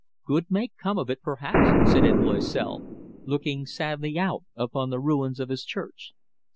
"Good may come of it, perhaps," said M. Loisel, looking sadly out upon the ruins of his church.